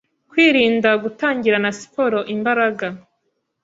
Kwirinda gutangirana siporo imbaraga